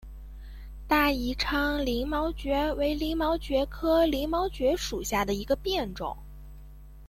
大宜昌鳞毛蕨为鳞毛蕨科鳞毛蕨属下的一个变种。